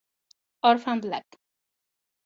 Orphan Black